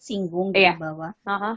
singgung bahwa konservasi